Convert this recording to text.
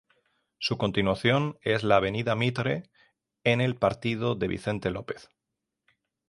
Su continuación es la Avenida Mitre en el Partido de Vicente López.